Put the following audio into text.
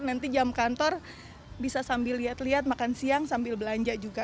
nanti jam kantor bisa sambil lihat lihat makan siang sambil belanja juga